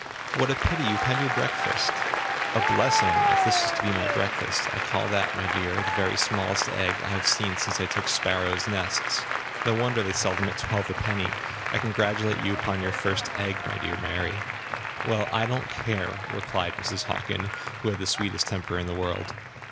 What a pity you have had your breakfast!" "A blessing if this was to be my breakfast. I call that, my dear, the very smallest egg I have seen since I took sparrows' nests. No wonder they sell them at twelve a penny. I congratulate you upon your first egg, my dear Mary." "Well, I don't care," replied Mrs. Hockin, who had the sweetest temper in the world.